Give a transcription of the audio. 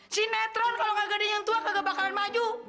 si netron kalau nggak gede yang tua nggak bakalan maju